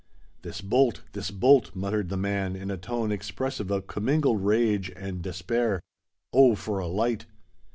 "This bolt,—this bolt!" muttered the man in a tone expressive of commingled rage and despair. "Oh! for a light!"